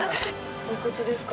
おいくつですか？